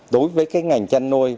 đối với cái ngành chăn nuôi